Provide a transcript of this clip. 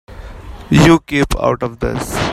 You keep out of this.